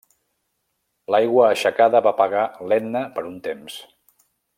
L'aigua aixecada va apagar l'Etna per un temps.